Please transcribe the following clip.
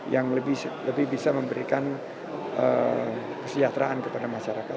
yang lebih bisa memberikan kesejahteraan kepada masyarakat